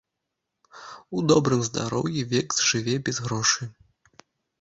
У добрым здароўі век зжыве без грошы!